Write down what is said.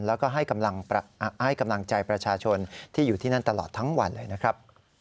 แล้วก็ให้กำลังใจประชาชนที่อยู่ที่นั่นตลอดทั้งวันเลยนะครับ